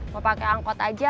mau pake angkot aja